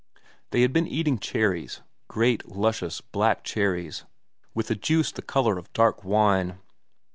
They had been eating cherries—great, luscious, black cherries with a juice of the color of dark wine.